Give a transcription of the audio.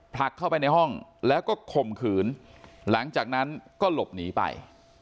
ผลักเข้าไปในห้องแล้วก็ข่มขืนหลังจากนั้นก็หลบหนีไป